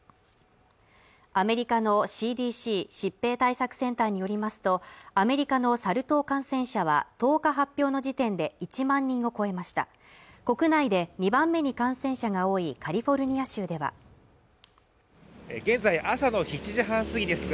アメリカのＣＤＣ＝疾病対策センターによりますとアメリカのサル痘感染者は１０日発表の時点で１万人を超えました国内で２番目に感染者が多いカリフォルニア州では現在朝の７時半過ぎです